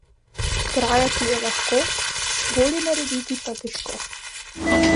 Grajati je lahko, bolje narediti pa težko.